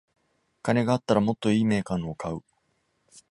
金があったらもっといいメーカーのを買う